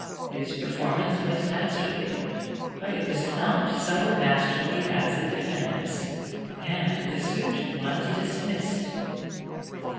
His performance was masterly. But it was not so masterly as the defendant's; and the suit was dismissed.